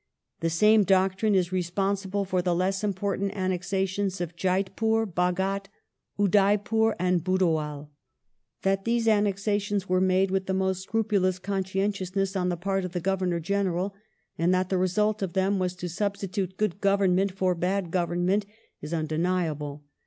The same doctrine is responsible for the less important annexations of Jaitpur, Baghdt, Udaipur, and Budawal. That these annexa tions were made with the most scrupulous conscientiousness on the part of the Governor General, and that the result of them was to substitute good government for bad government is undeniable.